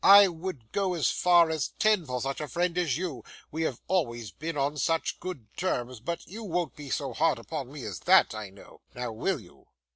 I WOULD go as far as ten for such a friend as you, we have always been on such good terms, but you won't be so hard upon me as that, I know. Now, will you?